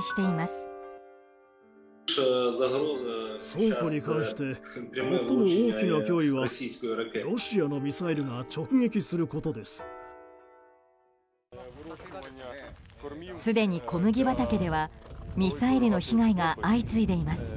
すでに小麦畑ではミサイルの被害が相次いでいます。